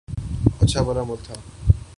اچھا بھلا ملک تھا۔